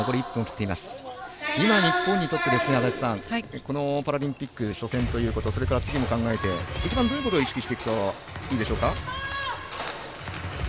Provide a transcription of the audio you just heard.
今、日本にとってパラリンピック初戦ということ次も考えて一番どういうところを意識していくといいんでしょうか。